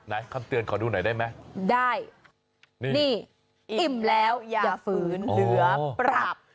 คำเตือนขอดูหน่อยได้ไหมได้นี่นี่อิ่มแล้วอย่าฝืนเหลือปรับ